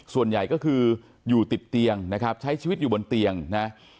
ส่วนใหญ่ก็คืออยู่ติดเตียงนะครับใช้ชีวิตอยู่บนเตียงนะ